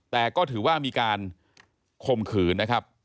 แต่ก็ถือว่ามีการคมขืนนะครับ